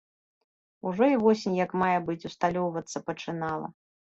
Ужо і восень як мае быць усталёўвацца пачынала.